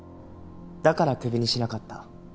だからクビにしなかった。